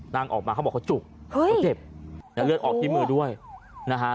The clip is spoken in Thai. นั่งออกมาเขาบอกเขาจุกเขาเจ็บและเลือดออกที่มือด้วยนะฮะ